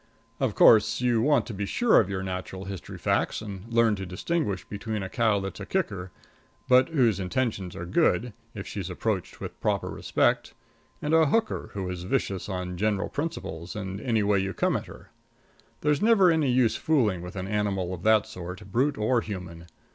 Of course, you want to be sure of your natural history facts and learn to distinguish between a cow that's a kicker, but whose intentions are good if she's approached with proper respect, and a hooker, who is vicious on general principles, and any way you come at her. There's never any use fooling with an animal of that sort, brute or human.